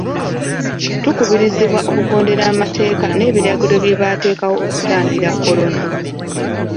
Tukubirizibwa okugoberera amateeka n'ebiragiro bye baateekawo okutangira kolona.